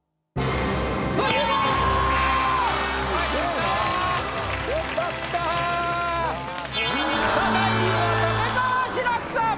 さあ第２位は立川志らくさん。